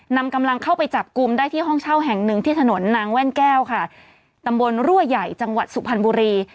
นำกำลังเข้าไปจับกลุ่มได้ที่ห้องเช่าแห่งหนึ่งที่ถนนนางแว่นแก้วค่ะตำบลรั่วใหญ่จังหวัดสุพรรณบุรี